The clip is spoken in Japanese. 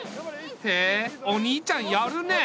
へえお兄ちゃんやるねえ。